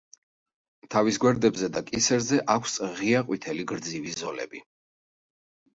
თავის გვერდებზე და კისერზე აქვს ღია ყვითელი გრძივი ზოლები.